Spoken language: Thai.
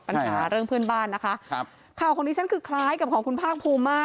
ปัญหาเรื่องเพื่อนบ้านนะคะครับข่าวของดิฉันคือคล้ายกับของคุณภาคภูมิมาก